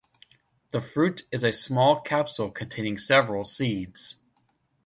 The fruit is a small capsule containing several seeds.